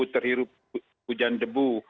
terhirup hujan debu